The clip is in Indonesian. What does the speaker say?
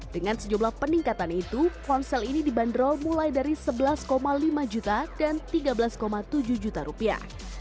dengan sejumlah peningkatan itu ponsel ini dibanderol mulai dari sebelas lima juta dan tiga belas tujuh juta rupiah